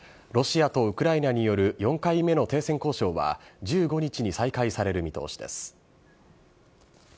ロシアとウクライナによる４回目の停戦交渉は、１５日に再開される見通しです。